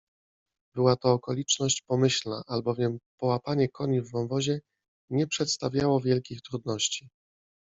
Była to okoliczność pomyślna, albowiem połapanie koni w wąwozie nie przedstawiało wielkich trudności.